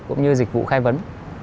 cũng như dịch vụ khai vấn